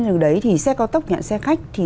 nhưng đấy thì xe cao tốc nhận xe khách thì